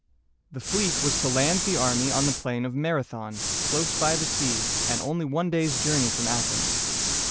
The fleet was to land the army on the plain of Mar´a thon, close by the sea, and only one day's journey from Athens.